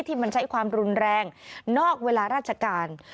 ที่มันใช้ความรุนแรงนอกเวลาราชการ